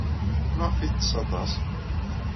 Maɣef ay tettess aṭas?